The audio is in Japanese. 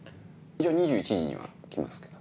一応２１時には来ますけど。